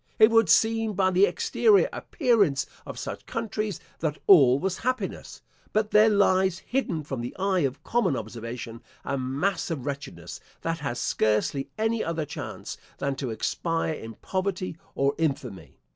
It would seem, by the exterior appearance of such countries, that all was happiness; but there lies hidden from the eye of common observation, a mass of wretchedness, that has scarcely any other chance, than to expire in poverty or infamy.